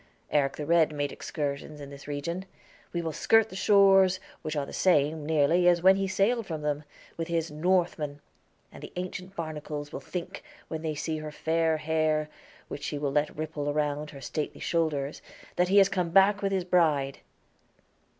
Eric the Red made excursions in this region. We will skirt the shores, which are the same, nearly, as when he sailed from them, with his Northmen; and the ancient barnacles will think, when they see her fair hair, which she will let ripple around her stately shoulders, that he has come back with his bride."